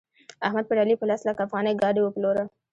احمد پر علي په لس لکه افغانۍ ګاډي وپلوره.